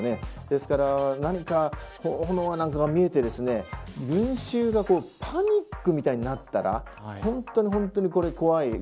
ですから何か炎か何かが見えて群衆がパニックみたいになったら本当に本当に怖い。